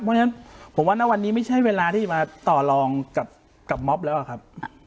เพราะฉะนั้นผมว่าณวันนี้ไม่ใช่เวลาที่จะมาต่อรองกับม็อบแล้วครับ